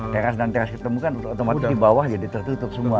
teras dan teras ketemu kan otomatis di bawah jadi tertutup semua